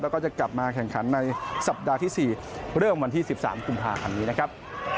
แล้วก็จะกลับมาแข่งขันในสัปดาห์ที่๔เริ่มวันที่๑๓กุมภาพันธ์นี้นะครับ